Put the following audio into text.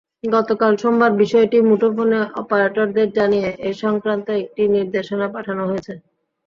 গতকাল সোমবার বিষয়টি মুঠোফোন অপারেটরদের জানিয়ে এ–সংক্রান্ত একটি নির্দেশনা পাঠানো হয়েছে।